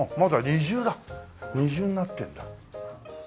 二重になってんだ。